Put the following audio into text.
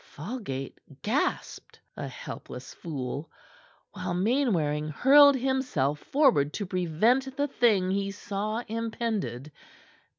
Falgate gasped a helpless fool while Mainwaring hurled himself forward to prevent the thing he saw impended.